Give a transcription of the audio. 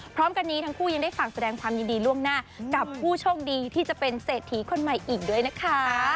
พร้อมกันนี้ทั้งคู่ยังได้ฝากแสดงความยินดีล่วงหน้ากับผู้โชคดีที่จะเป็นเศรษฐีคนใหม่อีกด้วยนะคะ